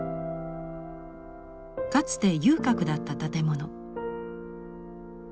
かつて遊郭だった建物。